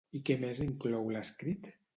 I què més inclou l'escrit?